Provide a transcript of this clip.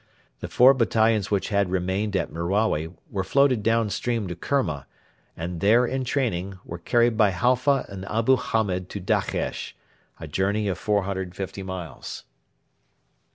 The four battalions which had remained at Merawi were floated down stream to Kerma, and, there entraining, were carried by Halfa and Abu Hamed to Dakhesh a journey of 450 miles.